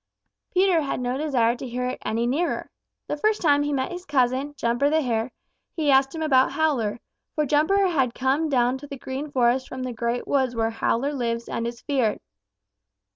Peter had no desire to hear it any nearer. The first time he met his cousin, Jumper the Hare, he asked him about Howler, for Jumper had come down to the Green Forest from the Great Woods where Howler lives and is feared.